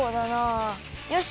よし！